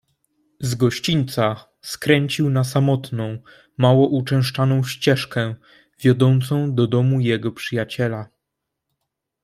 "Z gościńca skręcił na samotną, mało uczęszczaną ścieżkę, wiodącą do domu jego przyjaciela."